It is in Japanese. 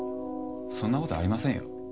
そんな事ありませんよ。